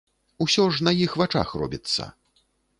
Усё ж на іх вачах робіцца.